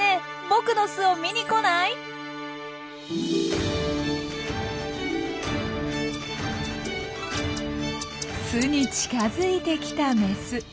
僕の巣を見に来ない？」。巣に近づいてきたメス。